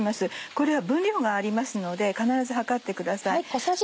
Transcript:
これは分量がありますので必ず量ってください。